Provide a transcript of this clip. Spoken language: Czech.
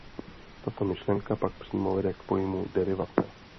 Tato myšlenka pak přímo vede k pojmu derivace.